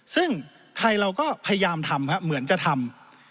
ซึ่งใครเราก็พยายามทำเหมือนจะทำ